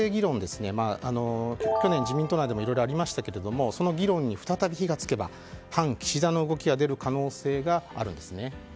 去年、自民党内でもいろいろありましたがその議論に再び火が付けば反岸田の動きが出る可能性があるんですね。